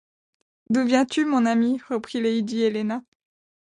D’où viens-tu, mon ami? reprit lady Helena.